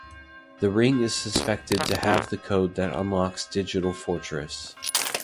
The ring is suspected to have the code that unlocks Digital Fortress.